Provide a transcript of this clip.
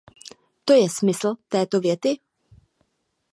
To je smysl této věty?